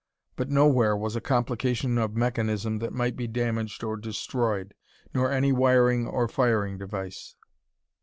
But nowhere was a complication of mechanism that might be damaged or destroyed, nor any wiring or firing device.